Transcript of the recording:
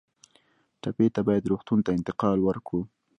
ټپي ته باید روغتون ته انتقال ورکړو.